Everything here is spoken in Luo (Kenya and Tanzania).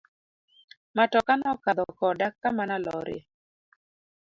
Matoka no kadho koda kama na lorie.